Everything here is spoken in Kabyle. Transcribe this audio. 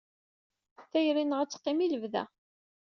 Tayri-nneɣ ad teqqim i lebda.